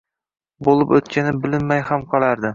– bo‘lib o‘tgani bilinmay ham qolardi.